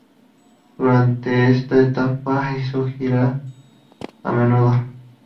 Durante esta etapa hizo giras a menudo.